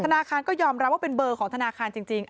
ธนาคารก็ยอมรับว่าเป็นเบอร์ของธนาคารจริง